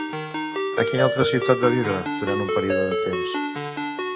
A quina altra ciutat va viure durant un període de temps?